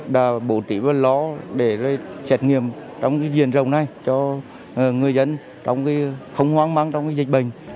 đã bổ trí và ló để xét nghiệm trong dịa rộng này cho người dân không hoang măng trong dịch bệnh